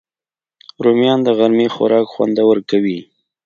رومیان د غرمې خوراک خوندور کوي